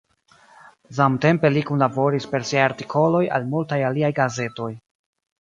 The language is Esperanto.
Samtempe li kunlaboris per siaj artikoloj al multaj aliaj gazetoj.